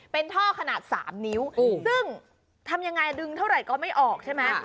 เป็นท่อขนาด๓นิ้วซึ่งทำยังไงดึงเท่าไหร่ก็ไม่ออกใช่ไหม